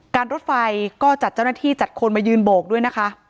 รถไฟก็จัดเจ้าหน้าที่จัดคนมายืนโบกด้วยนะคะ